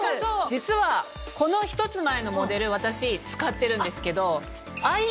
実はこの１つ前のモデル私使ってるんですけど。